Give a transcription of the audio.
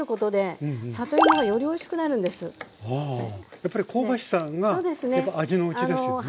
やっぱり香ばしさがやっぱ味のうちですよね。